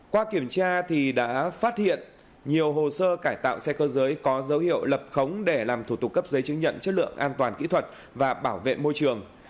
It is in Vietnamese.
qua kiểm tra đã phát hiện nhiều hồ sơ cải tạo xe cơ giới có dấu hiệu lập khống để làm thủ tục cấp giấy chứng nhận chất lượng an toàn kỹ thuật và bảo vệ môi trường